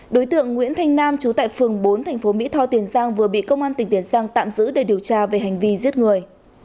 đối tượng nguyễn thanh nam trú tại phường bốn thành phố mỹ tho tiền giang vừa bị công an tỉnh tiền giang tạm giữ để điều tra về hành vi giết người